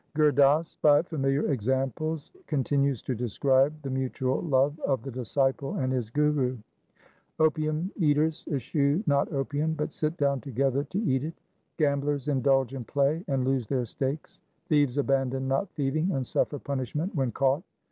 1 Gur Das by familiar examples continues to describe the mutual love of the disciple and his Guru :— Opium eaters eschew not opium, but sit down together to eat it. Gamblers indulge in play and lose their stakes. Thieves abandon not thieving and suffer punishment when caught.